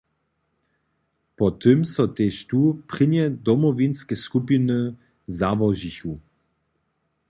Po tym so tež tu prěnje Domowinske skupiny załožichu.